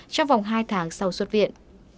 trong vòng hai tháng sau xuất viện